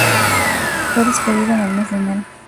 Fue despedido en el mes de enero.